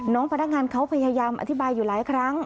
พนักงานเขาพยายามอธิบายอยู่หลายครั้ง